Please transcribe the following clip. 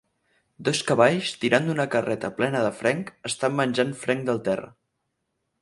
Dos cavalls, tirant d"una carreta plena de fenc, estan menjant fenc del terra.